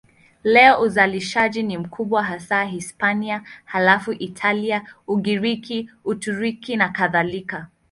Leo uzalishaji ni mkubwa hasa Hispania, halafu Italia, Ugiriki, Uturuki nakadhalika.